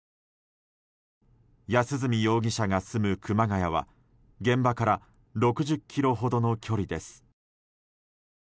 安栖容疑者が住む熊谷は現場から６０ｋｍほどの距離です。